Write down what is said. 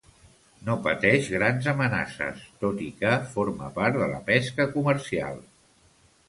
No pateix grans amenaces, tot i que forma part de la pesca comercial.